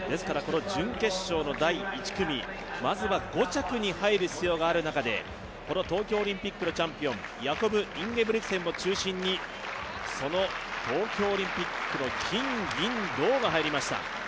準決勝の第１組、まずは５着に入る必要がある中で東京オリンピックのチャンピオン、ヤコブ・インゲブリクセンを中心にその東京オリンピックの金銀銅が入りました。